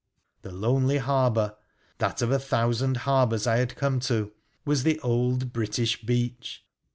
The lonely harbour, that of a thousand harbours I had come to, was the old British beach.